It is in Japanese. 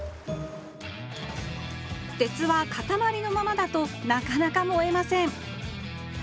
鉄はかたまりのままだとなかなか燃えません